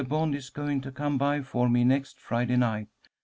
Bond is going to come by for me next Friday night.